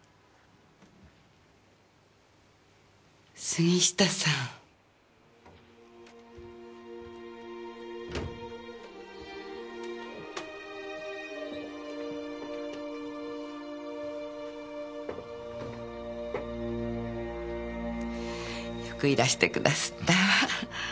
杉下さん。よくいらしてくだすったわ。